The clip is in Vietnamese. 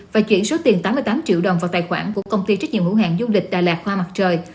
và chuyển số tiền tám mươi tám triệu đồng vào tài khoản của công ty trách nhiệm hữu hạng du lịch đà lạt khoa mặt trời